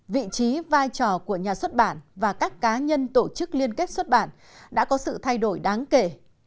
vị trí vai trò của nhà xuất bản và các cá nhân tổ chức liên kết xuất bản đã có sự thay đổi đáng kể